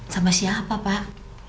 sama siapa pak